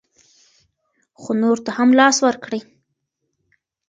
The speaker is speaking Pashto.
خو نورو ته هم لاس ورکړئ.